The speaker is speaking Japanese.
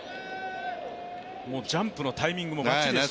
もうジャンプのタイミングもばっちりでした。